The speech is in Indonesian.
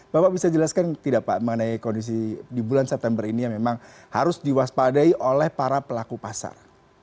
bapak bisa jelaskan tidak pak mengenai kondisi di bulan september ini yang memang harus diwaspadai oleh para pelaku pasar